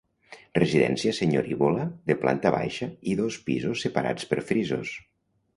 Residència senyorívola de planta baixa i dos pisos separats per frisos.